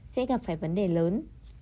sẽ gặp phải vấn đề lớn